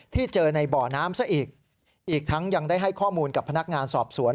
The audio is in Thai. เจอในบ่อน้ำซะอีกอีกทั้งยังได้ให้ข้อมูลกับพนักงานสอบสวน